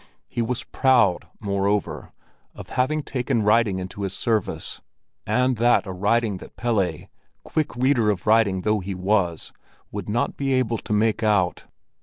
He was proud, moreover, of having taken writing into his service, and that a writing that Pelle, quick reader of writing though he was, would not be able to make out.